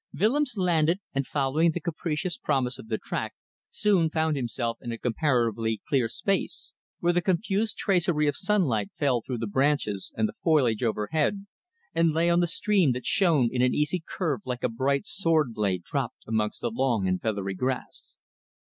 Willems landed, and following the capricious promise of the track soon found himself in a comparatively clear space, where the confused tracery of sunlight fell through the branches and the foliage overhead, and lay on the stream that shone in an easy curve like a bright sword blade dropped amongst the long and feathery grass.